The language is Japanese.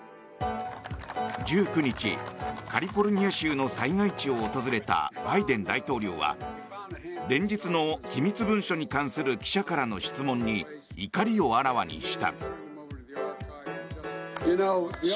１９日、カリフォルニア州の災害地を訪れたバイデン大統領は連日の機密文書に関する記者からの質問に怒りをあらわにした。